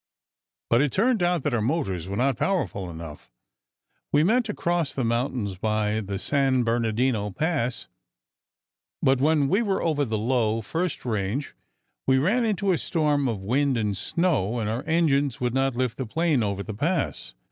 "But it turned out that our motors were not powerful enough. We meant to cross the mountains by the San Bernardino Pass, but when we were over the low first range, we ran into a storm of wind and snow, and our engines would not lift the plane over the Pass.